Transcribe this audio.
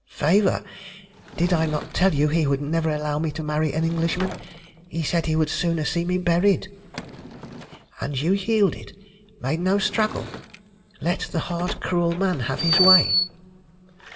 "Favor! Did I not tell you he would never allow me to marry an Englishman? He said he would sooner see me buried." "And you yielded? Made no struggle? Let the hard, cruel man have his way?"